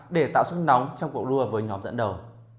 để tạo sức nóng trong cuộc đua với nhóm dẫn đầu